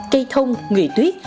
cây thông người tuyết